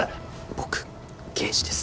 僕刑事です。